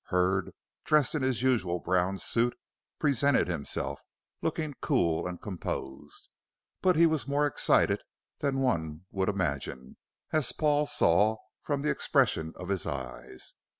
Hurd, dressed in his usual brown suit, presented himself, looking cool and composed. But he was more excited than one would imagine, as Paul saw from the expression of his eyes.